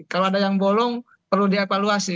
kalau ada yang bolong perlu dievaluasi